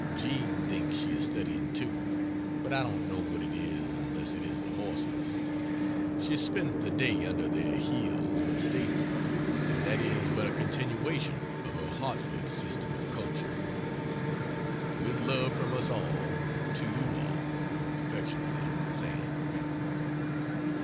Jean thinks she is studying too, but I don't know what it is unless it is the horses; she spends the day under their heels in the stables and that is but a continuation of her Hartford system of culture. With love from us all to you all. Affectionately SAM.